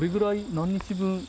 何日分？